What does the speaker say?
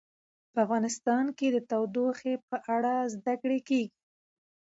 په افغانستان کې د تودوخه په اړه زده کړه کېږي.